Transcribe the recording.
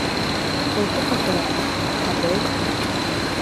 Был күпме тора? Ә был?